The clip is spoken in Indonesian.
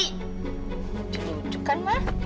cucuk cucuk kan ma